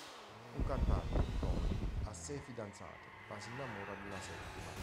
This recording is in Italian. Un cantante, Tony, ha sei fidanzate, ma si innamora di una settima.